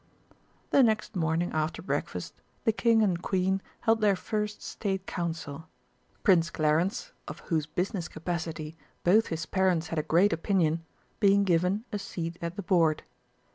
The next morning after breakfast the King and Queen held their first State Council, Prince Clarence, of whose business capacity both his parents had a great opinion, being given a seat at the board.